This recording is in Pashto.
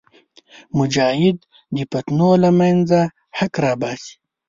مجاهد د فتنو له منځه حق راوباسي.